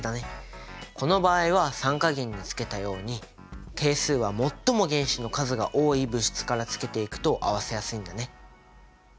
この場合は酸化銀につけたように係数は最も原子の数が多い物質からつけていくと合わせやすいんだね。